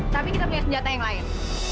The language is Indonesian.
tapi kita punya senjata yang lain